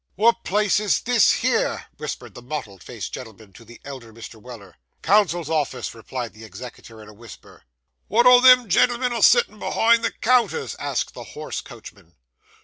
'Wot place is this here?' whispered the mottled faced gentleman to the elder Mr. Weller. 'Counsel's Office,' replied the executor in a whisper. 'Wot are them gen'l'men a settin' behind the counters?' asked the hoarse coachman.